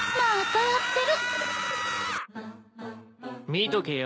見とけよ。